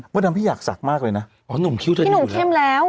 เพราะฉะนั้นพี่อยากสักมากเลยนะอ๋อนุ่มคิ้วเท่านี้อยู่แล้วที่หนูเข้มแล้ว